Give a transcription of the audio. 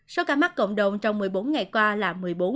số ca mắc cộng đồng trong một mươi bốn ngày qua là một mươi bốn